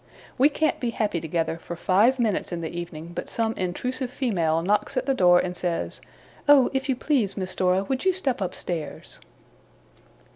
We can't be happy together for five minutes in the evening, but some intrusive female knocks at the door, and says, 'Oh, if you please, Miss Dora, would you step upstairs!